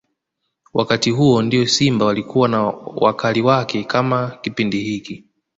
Wakati huu ndio Simba walikuwa na wakali wake kama Kipindi hiki